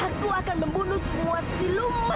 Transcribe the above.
aku akan membunuh semua si lupa